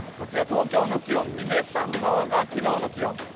東京の気温、嶺さん側が昨日の気温。